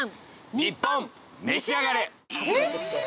『ニッポンめしあがれ』。